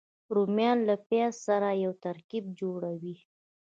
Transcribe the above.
رومیان له پیاز سره یو ترکیب جوړوي